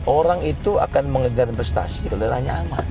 orang itu akan mengedah investasi kebenarannya aman